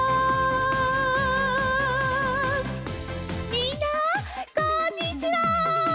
みんなこんにちは。